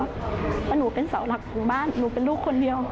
เพราะหนูเป็นเสาหลักของบ้านหนูเป็นลูกคนเดียว